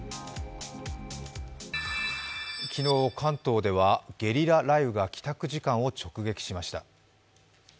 昨日、関東ではゲリラ雷雨が帰宅時間を直撃しました。